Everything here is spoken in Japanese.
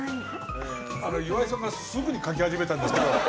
岩井さんがすぐに書き始めたんですけど。